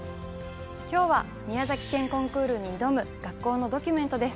きょうは宮崎県コンクールに挑む学校のドキュメントです。